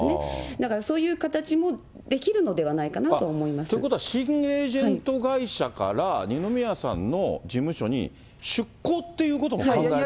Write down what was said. だからそういう形もできるのではということは、新エージェント会社から二宮さんの事務所に出向っていうことも考